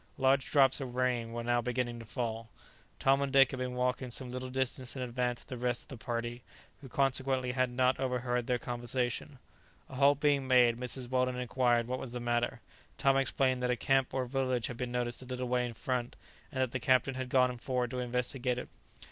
Large drops of rain were now beginning to fall. Tom and Dick had been walking some little distance in advance of the rest of the party, who consequently had not overheard their conversation. A halt being made, Mrs. Weldon inquired what was the matter. Tom explained that a camp or village had been noticed a little way in front, and that the captain had gone forward to investigate it.